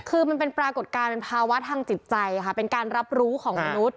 คือมันเป็นปรากฏการณ์เป็นภาวะทางจิตใจค่ะเป็นการรับรู้ของมนุษย